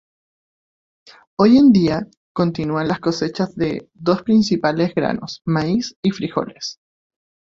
Hoy en día continúan las cosechas de dos principales granos, maíz y frijoles.